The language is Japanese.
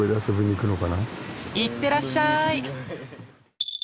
行ってらっしゃい！